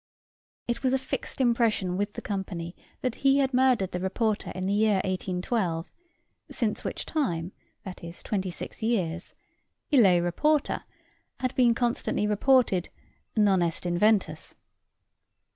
It was a fixed impression with the company that he had murdered the reporter in the year 1812; since which time (viz. twenty six years) "ille reporter" had been constantly reported "Non est inventus."